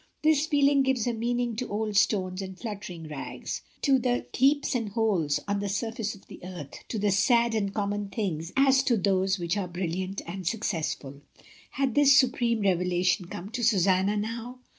This feel ing gives a meaning to old stones and fluttering rags, to the heaps and holes on the surface of the earth, to the sad and common things as to those which are brilliant and successful. Had this supreme revelation come to Susanna, now?